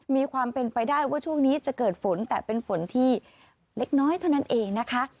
มีความเป็นไปได้ว่าช่วงนี้จะเกิดฝนแต่เป็นฝนที่เล็กน้อยเท่านั้นเองนะคะ